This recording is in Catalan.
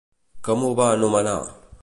Com ho va anomenar?